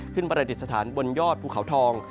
ขึ้นประเด็นสถานบนยอดภูเขาทอง